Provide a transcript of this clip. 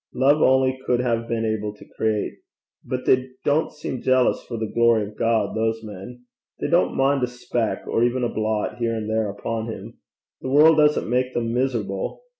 Love only could have been able to create. But they don't seem jealous for the glory of God, those men. They don't mind a speck, or even a blot, here and there upon him. The world doesn't make them miserable.